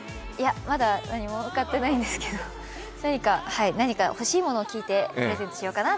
まだ何も買ってないんですけど、欲しいものを聞いてプレゼントしようかなって。